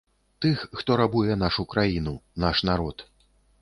Тых, хто рабуе нашу краіну, наш народ.